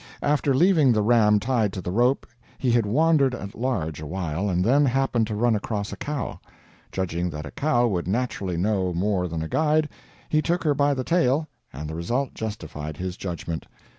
After leaving the ram tied to the rope, he had wandered at large a while, and then happened to run across a cow. Judging that a cow would naturally know more than a guide, he took her by the tail, and the result justified his judgment.